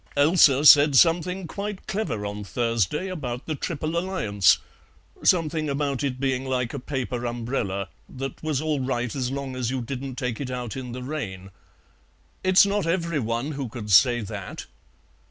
"Elsa said something quite clever on Thursday about the Triple Alliance. Something about it being like a paper umbrella, that was all right as long as you didn't take it out in the rain. It's not every one who could say that."